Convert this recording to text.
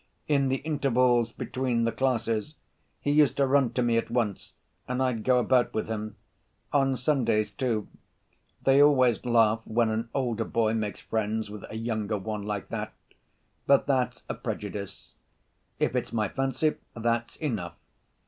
In the intervals between the classes he used to run to me at once, and I'd go about with him. On Sundays, too. They always laugh when an older boy makes friends with a younger one like that; but that's a prejudice. If it's my fancy, that's enough.